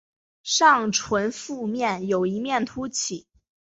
上唇腹面有一突起。